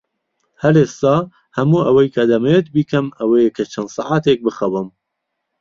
هەر ئێستا، هەموو ئەوەی کە دەمەوێت بیکەم ئەوەیە کە چەند سەعاتێک بخەوم.